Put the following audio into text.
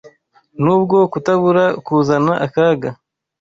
nubwo kutabura kuzana akaga